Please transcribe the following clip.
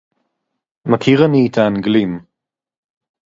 מַכִּיר אֲנִי אֶת הָאַנְגְּלִים.